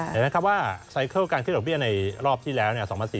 เห็นไหมครับว่าไซเคิลการขึ้นดอกเบี้ยในรอบที่แล้ว๒๐๑๙